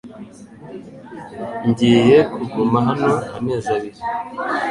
Ngiye kuguma hano amezi abiri.